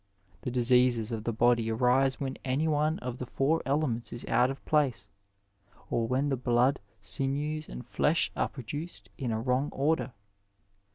The diseases of the body arise when anyone of the four elements is out of place, or when the blood, sinews and flesh are produced in a wrong order.